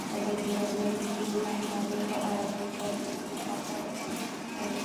ازادي راډیو د د اوبو منابع په اړه د عبرت کیسې خبر کړي.